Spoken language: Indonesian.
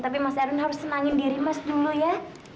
tapi mas erwin harus senangin diri mas dulu ya